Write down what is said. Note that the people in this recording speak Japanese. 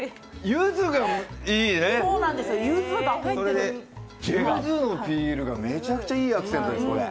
ゆずがいいね、それでゆずのピールがめちゃくちゃいいアクセントです。